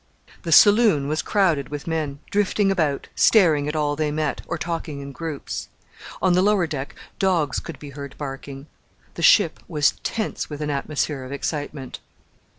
The saloon was crowded with men, drifting about, staring at all they met, or talking in groups. On the lower deck dogs could be heard barking. The ship was tense with an atmosphere of excitement.